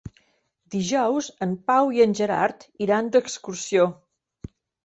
Dijous en Pau i en Gerard iran d'excursió.